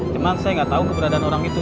cuma saya nggak tahu keberadaan orang itu